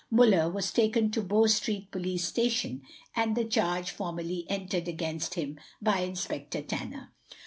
Muller was taken to Bow street police station, and the charge formally entered against him by Inspector Tanner.